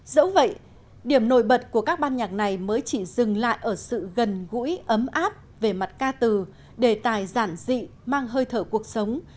dẫu vậy điểm nổi bật của các ban nhạc này mới chỉ dừng lại ở sự gần gũi ấm áp về mặt ca từ đề tài giản dị mang hơi thở cuộc sống